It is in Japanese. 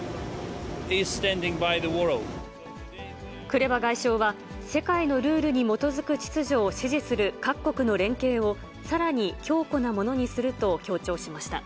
クレバ外相は、世界のルールに基づく秩序を支持する各国の連携をさらに強固なものにすると強調しました。